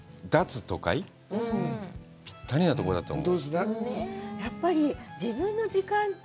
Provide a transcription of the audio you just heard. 脱都会、ぴったりなとこだと思う。